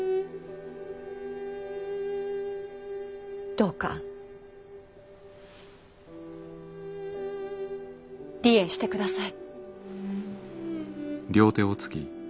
どうか離縁してください。